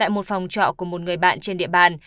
tại một phòng trọ của một người bạn trên địa bàn